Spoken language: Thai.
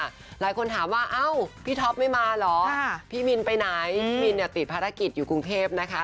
หลายคนถามว่าเอ้าพี่ท็อปไม่มาเหรอพี่มินไปไหนพี่มินเนี่ยติดภารกิจอยู่กรุงเทพนะคะ